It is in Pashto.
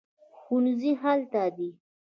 ښوونځی هلته دی